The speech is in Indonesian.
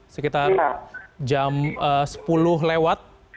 sekitar jam sepuluh lewat